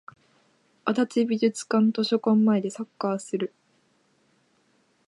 足立美術館図書館前でサッカーする